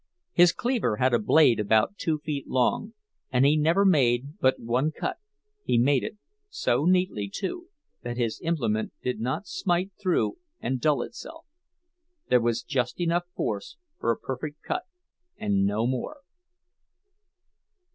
His cleaver had a blade about two feet long, and he never made but one cut; he made it so neatly, too, that his implement did not smite through and dull itself—there was just enough force for a perfect cut, and no more.